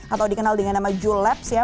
atau dikenal dengan nama julaps ya